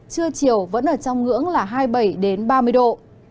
trưa chiều vẫn ở trong ngưỡng là hai mươi bảy đến ba mươi độ